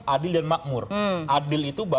adil dan makmur adil itu